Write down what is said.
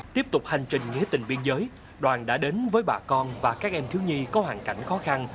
tiếp tục hành trình nghĩa tình biên giới đoàn đã đến với bà con và các em thiếu nhi có hoàn cảnh khó khăn